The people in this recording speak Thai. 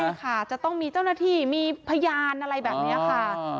ใช่ค่ะจะต้องมีเจ้าหน้าที่มีพยานอะไรแบบนี้ค่ะ